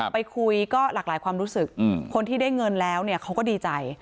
ไปคุยก็หลากหลายความรู้สึกคนที่ได้เงินแล้วเนี่ยเขาก็ดีใจ